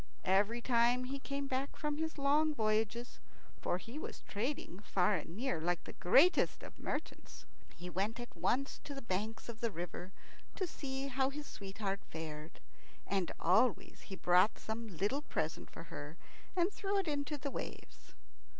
Every time he came back from his long voyages for he was trading far and near, like the greatest of merchants he went at once to the banks of the river to see how his sweetheart fared. And always he brought some little present for her and threw it into the waves.